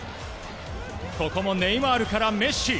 ここもネイマールからメッシ。